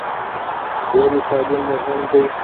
ولې تعلیم مهم دی؟